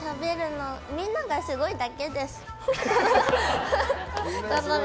みんながすごいだけです。